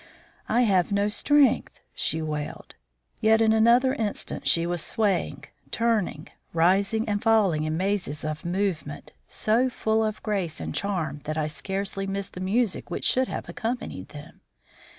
"I have no strength," she wailed. Yet in another instant she was swaying, turning, rising, and falling in mazes of movement so full of grace and charm that I scarcely missed the music which should have accompanied them.